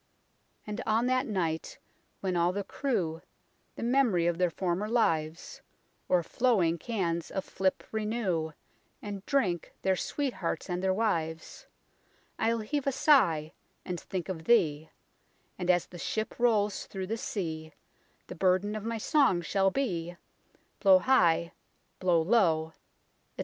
And on that night when all the crew The mem'ry of their former lives, O'er flowing cans of flip renew, And drink their sweethearts and their wives, I'll heave a sigh, and think of thee ; And as the ship rolls through the sea, The burden of my song shall be : Blow high, blow low, etc."